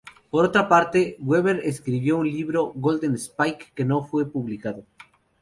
Por otra parte, Weaver escribió un libro, "Golden Spike", que no fue publicado.